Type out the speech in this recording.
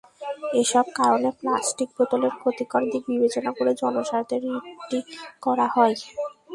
এসব কারণে প্লাস্টিক বোতলের ক্ষতিকর দিক বিবেচনা করে জনস্বার্থে রিটটি করা হয়।